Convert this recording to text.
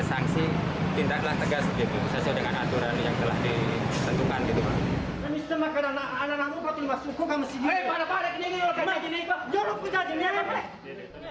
itu sesuai dengan aturan yang telah ditentukan